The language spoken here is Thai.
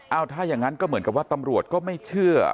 เอาถ้าอย่างนั้นก็เหมือนกับว่าตำรวจก็ไม่เชื่อ